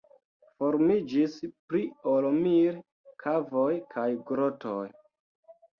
Formiĝis pli ol mil kavoj kaj grotoj.